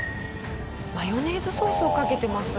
マヨネーズソースをかけてます。